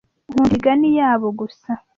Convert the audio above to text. nkunda imigani yabo gusa